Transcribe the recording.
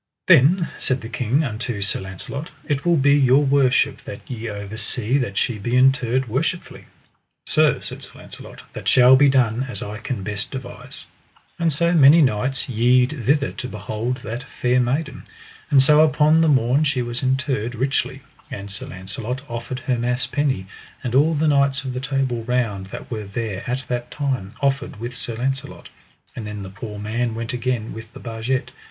Then said the king unto Sir Launcelot: It will be your worship that ye oversee that she be interred worshipfully. Sir, said Sir Launcelot, that shall be done as I can best devise. And so many knights yede thither to behold that fair maiden. And so upon the morn she was interred richly, and Sir Launcelot offered her mass penny; and all the knights of the Table Round that were there at that time offered with Sir Launcelot. And then the poor man went again with the barget.